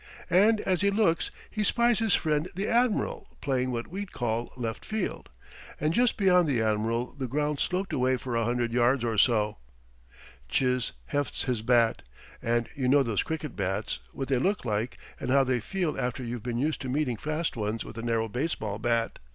And as he looks he spies his friend the admiral, playing what we'd call left field. And just beyond the admiral the ground sloped away for a hundred yards or so. Chiz hefts his bat and you know those cricket bats, what they look like and how they feel after you've been used to meeting fast ones with a narrow baseball bat.